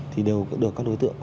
thì đều được các đối tượng